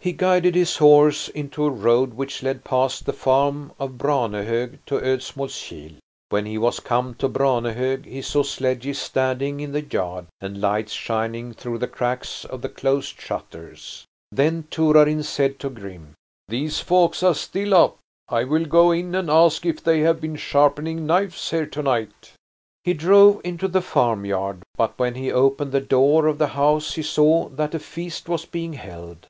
He guided his horse into a road which led past the farm of Branehog to Odsmalskil. When he was come to Branehog he saw sledges standing in the yard and lights shining through the cracks of the closed shutters. Then Torarin said to Grim: "These folks are still up. I will go in and ask if they have been sharpening knives here tonight." He drove into the farmyard, but when he opened the door of the house he saw that a feast was being held.